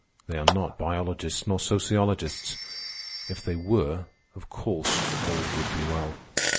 They are not biologists nor sociologists. If they were, of course all would be well.